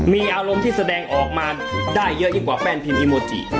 มีอารมณ์ที่แสดงออกมาได้เยอะยิ่งกว่าแป้นพินอิโมจิ